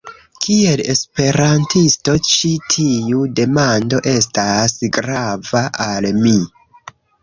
Kiel Esperantisto, ĉi tiu demando estas grava al mi.